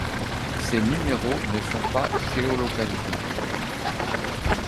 Ces numéros ne sont pas géolocalisables.